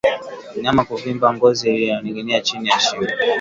Mnyama kuvimba kwa ngozi inayoninginia chini ya shingo